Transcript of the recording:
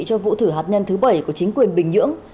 cho vụ thử hạt nhân thứ bảy của chính quyền bình nhưỡng